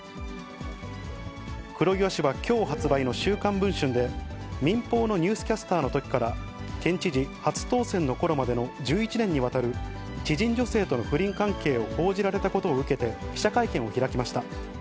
黒岩氏はきょう発売の週刊文春で、民放のニュースキャスターのときから、県知事初当選のころまでの１１年にわたる知人女性との不倫関係を報じられたことを受けて、記者会見を開きました。